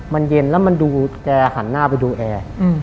มันเย็นแล้วมันดูแกหันหน้าไปดูแอร์